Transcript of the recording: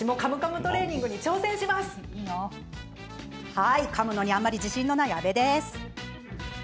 はい、かむのにあまり自信のない安部です。